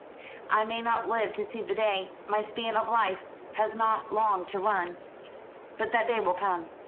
I may not live to see the day. My span of life has not long to run but that day will come."